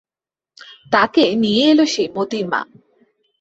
তাকে নিয়ে এল সেই মোতির মা।